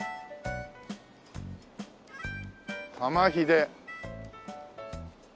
「玉ひで」